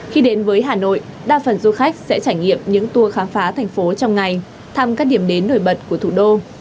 khi đến với hà nội đa phần du khách sẽ trải nghiệm những tour khám phá thành phố trong ngày thăm các điểm đến nổi bật của thủ đô